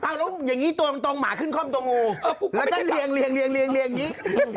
พอหรือยังงี้ตรงตรงหมาขึ้นข้อมตัวงูแล้วก็เรียงเรียงเรียงเรียงเรียงอย่างนี้